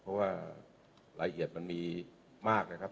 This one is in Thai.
เพราะว่ารายละเอียดมันมีมากนะครับ